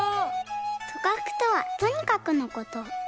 「とかく」とは「とにかく」のこと。